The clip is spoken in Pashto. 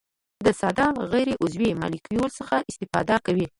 د ساده غیر عضوي مالګو څخه استفاده کوي.